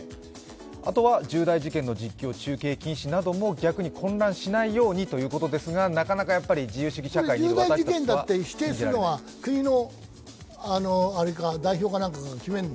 あとは重大事件の実況、中継禁止なども逆に混乱しないようにということですがなかなか自由主義社会には重大事件だって指定するのは国の代表なんかが決めるの？